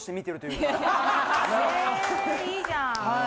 へぇいいじゃん。